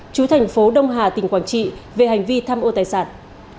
chú thành phố đông hà tỉnh quảng trị về hành vi tham ô tài sản